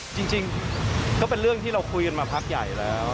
จริงก็เป็นเรื่องที่เราคุยกันมาพักใหญ่แล้ว